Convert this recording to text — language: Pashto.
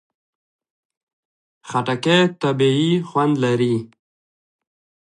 خټکی طبیعي خوند لري.